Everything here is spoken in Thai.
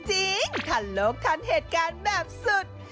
คันโลกทันเหตุการณ์แบบสุด